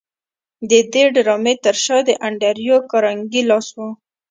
د دې ډرامې تر شا د انډریو کارنګي لاس و